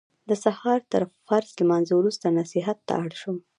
د سهار تر فرض لمانځه وروسته نصیحت ته اړم شو.